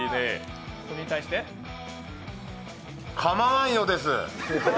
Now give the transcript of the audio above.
構わんよです。